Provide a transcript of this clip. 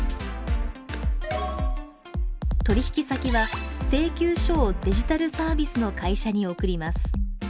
取引先は、請求書をデジタルサービスの会社に送ります。